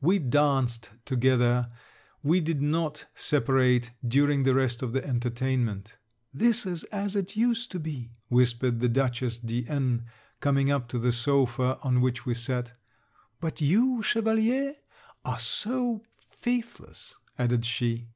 We danced together. We did not separate during the rest of the entertainment. 'This is as it used to be,' whispered the Dutchess de N coming up to the sopha on which we sat. 'But you, Chevalier, are so faithless,' added she.